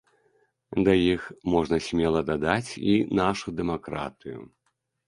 Да іх можна смела дадаць і нашу дэмакратыю.